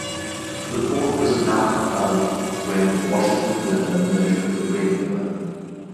The fort was about above where the Washita River merged with the Red River.